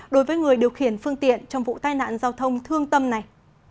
đối với người điều khiển phương tiện trong vụ tai nạn giao thông thương tâm này